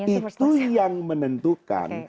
itu yang menentukan